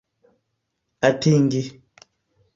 atingi